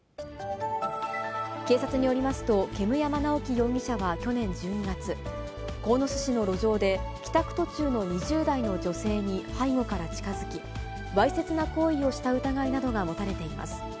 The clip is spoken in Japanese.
警察によりますと、煙山直樹容疑者は去年１２月、鴻巣市の路上で、帰宅途中の２０代の女性に背後から近づき、わいせつな行為をした疑いなどが持たれています。